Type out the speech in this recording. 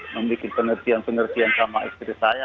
membuat penelitian pengertian sama istri saya